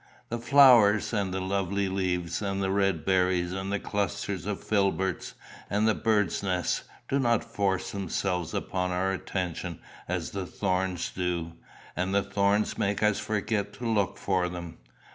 The flowers, and the lovely leaves, and the red berries, and the clusters of filberts, and the birds' nests do not force themselves upon our attention as the thorns do, and the thorns make us forget to look for them.